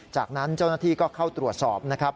จากนั้นเจ้าหน้าที่ก็เข้าตรวจสอบนะครับ